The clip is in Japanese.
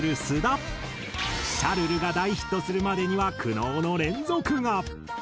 『シャルル』が大ヒットするまでには苦悩の連続が！